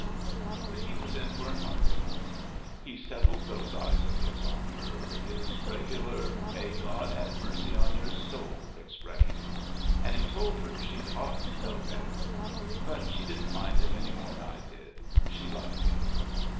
But he was in for an argument. He settled those eyes of his on her with his regular May God have mercy on your soul expression, and he told her she'd ought to know better. But she didn't mind him any more'n I did. She liked him.